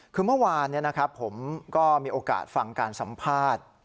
คือเมื่อวานผมก็มีโอกาสฟังการสัมภาษณ์